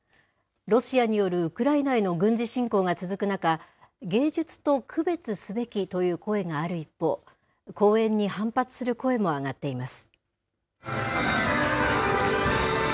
ロシアによるウクライナへの軍事侵攻が続く中、芸術と区別すべきという声がある一方、公演に反発する声も上がっています。